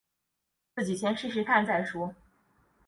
自己先试试看再说